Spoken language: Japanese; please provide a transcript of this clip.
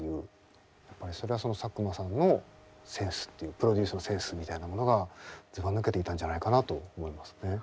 やっぱりそれはその佐久間さんのセンスっていうプロデュースのセンスみたいなものがずばぬけていたんじゃないかなと思いますね。